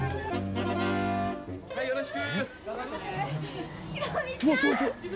はいよろしく。